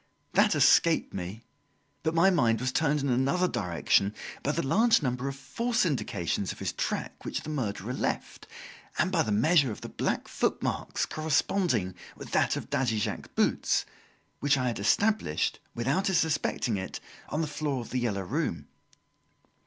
That escaped me; but my mind was turned in another direction by the large number of false indications of his track which the murderer left, and by the measure of the black foot marks corresponding with that of Daddy Jacques's boots, which I had established without his suspecting it, on the floor of "The Yellow Room".